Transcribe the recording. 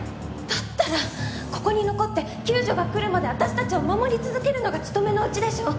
だったらここに残って救助が来るまで私たちを守り続けるのが勤めのうちでしょ？